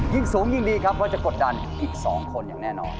ยิ่งสูงยิ่งดีครับว่าจะกดดันอีก๒คนอย่างแน่นอน